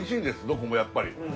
どこもやっぱり。